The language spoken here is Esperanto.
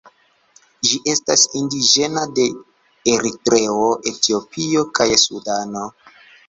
Ĝi estas indiĝena de Eritreo, Etiopio, kaj Sudano.